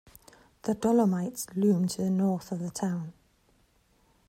The Dolomites loom to the north of the town.